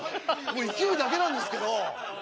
勢いだけなんですけど。